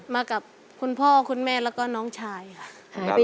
มากับคุณพ่อคุณแม่แล้วก็น้องชายค่ะหายไป